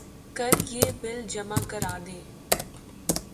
کل یہ بل جمع کرادیں